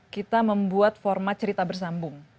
kita membuat format cerita bersambung